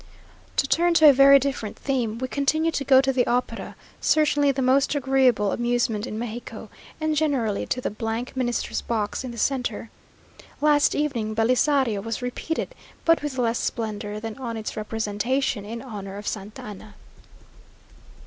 To turn to a very different theme. We continue to go to the opera, certainly the most agreeable amusement in Mexico, and generally to the Minister's box, in the centre. Last evening, Belisario was repeated, but with less splendour than on its representation in honour of Santa Anna.